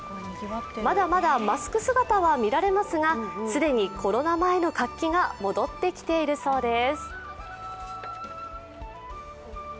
まだまだマスク姿は見られますが既にコロナ前の活気が戻ってきているそうです。